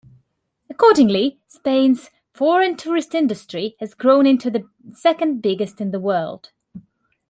Accordingly, Spain's foreign tourist industry has grown into the second-biggest in the world.